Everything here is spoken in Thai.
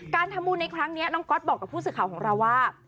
การทำบุญในครั้งนี้น้องก๊อตบอกกับผู้สื่อข่าวของเราว่า